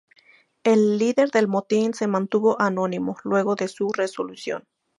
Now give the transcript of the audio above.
El líder del motín se mantuvo anónimo luego de su resolución.